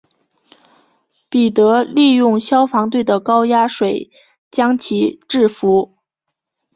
彼得利用消防队的高压水将其制伏。